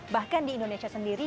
bahkan di indonesia sendiri